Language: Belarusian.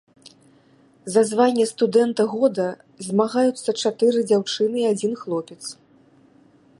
За званне студэнта года змагаюцца чатыры дзяўчыны і адзін хлопец.